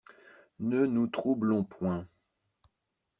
Ne nous troublons point.